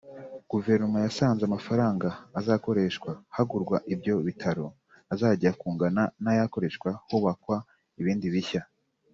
Guverinoma yasanze amafaranga azakoreshwa hagurwa ibyo bitaro ajya kungana n’ayakoreshwa hubakwa ibindi bishya